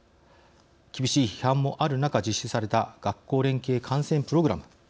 厳しい批判もある中、実施された学校連携観戦プログラム。